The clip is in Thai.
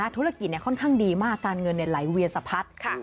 ธุรกิจค่อนข้างดีมากการเงินไหลเวียนสะพัด